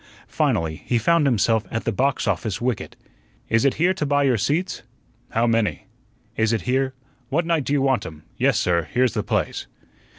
Finally he found himself at the box office wicket. "Is it here you buy your seats?" "How many?" "Is it here " "What night do you want 'em? Yes, sir, here's the place."